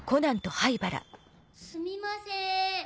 すみません。